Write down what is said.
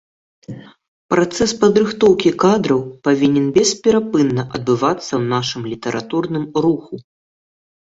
Працэс падрыхтоўкі кадраў павінен бесперапынна адбывацца ў нашым літаратурным руху.